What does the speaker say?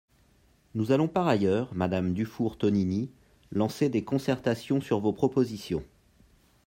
Nous allons par ailleurs, madame Dufour-Tonini, lancer des concertations sur vos propositions.